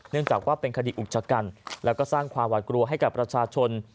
เนื่องจากว่าเป็นคดีอุกจักรและสร้างความหวัดกลัวให้กับประชาชน